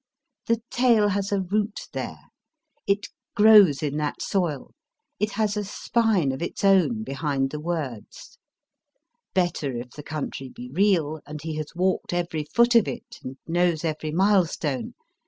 The tale has a root there ; it grows in that soil ; it has a spine of its own behind the words. Better if the country be real, and he has walked every foot of it and knows ever} r milestone.